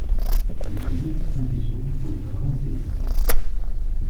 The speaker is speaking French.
Ils vont beaucoup compter sur vous pour les faire avancer, Sara.